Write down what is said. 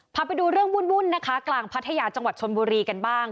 พาไปดูเรื่องวุ่นนะคะกลางพัทยาจังหวัดชนบุรีกันบ้าง